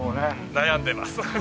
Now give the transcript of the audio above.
悩んでます。